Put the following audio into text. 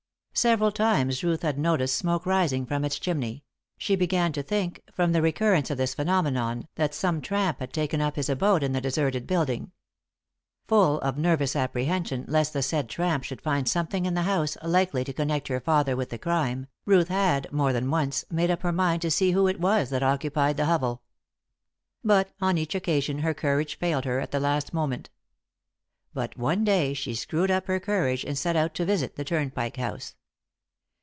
Several times Ruth had noticed smoke rising from its chimney; she began to think, from the recurrence of this phenomenon, that some tramp had taken up his abode in the deserted building. Full of nervous apprehension lest the said tramp should find something in the house likely to connect her father with the crime, Ruth had, more than once, made up her mind to see who it was that occupied the hovel. But on each occasion her courage failed her at the last moment. But one day she screwed up her courage, and set out to visit the Turnpike House.